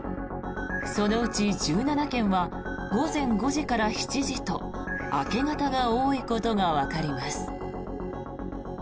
そのうち１７件は午前５時から７時と明け方が多いことがわかります。